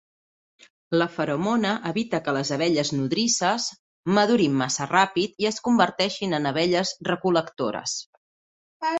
La feromona evita que les abelles nodrisses madurin massa ràpid i es converteixin en abelles recol·lectores.